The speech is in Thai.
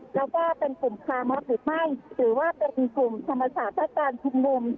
แล้วก็เป็นกลุ่มคาร์มฮอลติดให้หรือว่าเป็นกลุ่มคำวจสาบการชมนุม